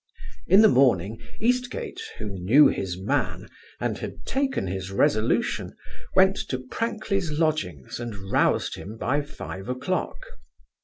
In the morning, Eastgate, who knew his man, and had taken his resolution, went to Prankley's lodgings, and roused him by five o'clock.